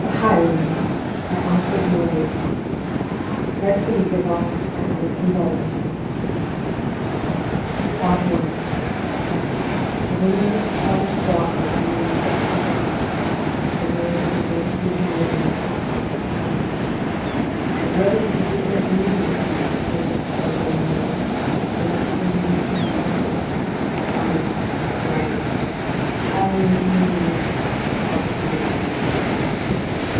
other Poetry Sites Alfred Noyes (1880 1958) The Highwayman PART ONE I THE wind was a torrent of darkness among the gusty trees, The moon was a ghostly galleon tossed upon cloudy seas, The road was a ribbon of moonlight over the purple moor, And the highwayman came riding— Riding—riding— The highwayman came riding, up to the old inn door.